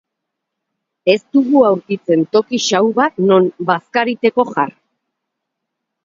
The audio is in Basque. Ez dugu aurkitzen toki xahu bat non bazkariteko jar.